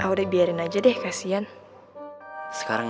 udah biarin aja deh kasian sekarang